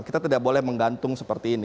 kita tidak boleh menggantung seperti ini